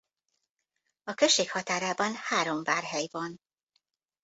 A község határában három várhely van.